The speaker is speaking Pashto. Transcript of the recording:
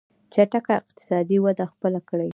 چټکه اقتصادي وده خپله کړي.